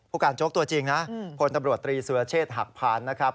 การโจ๊กตัวจริงนะพลตำรวจตรีสุรเชษฐ์หักพานนะครับ